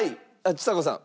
ちさ子さん。